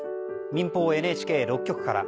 民放ＮＨＫ６局から。